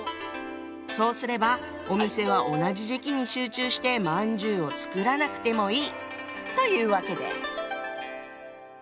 そうすればお店は同じ時期に集中してまんじゅうを作らなくてもいいというわけです。